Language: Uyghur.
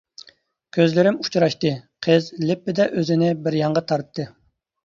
كۆزلىرىم ئۇچراشتى، قىز لىپپىدە ئۆزىنى بىر يانغا تارتتى.